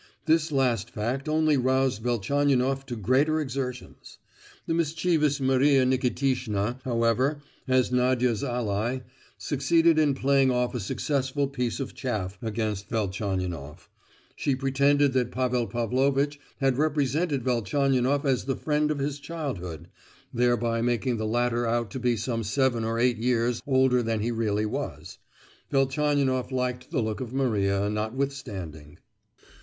This last fact only roused Velchaninoff to greater exertions. The mischievous Maria Nikitishna, however, as Nadia's ally, succeeded in playing off a successful piece of chaff against Velchaninoff; she pretended that Pavel Pavlovitch had represented Velchaninoff as the friend of his childhood, thereby making the latter out to be some seven or eight years older than he really was. Velchaninoff liked the look of Maria, notwithstanding.